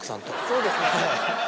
そうですね。